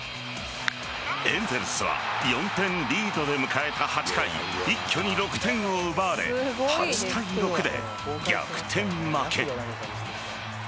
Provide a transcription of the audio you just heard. エンゼルスは４点リードで迎えた８回一挙に６点を奪われ８対６で逆転負け。